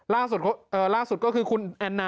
ล่าสุดก็คือคุณแอนนานะครับ